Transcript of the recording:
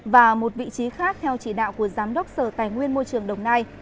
và một vị trí khác theo chỉ đạo của giám đốc sở tài nguyên môi trường đồng nai